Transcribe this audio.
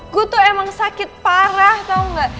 gue tuh emang sakit parah tau ga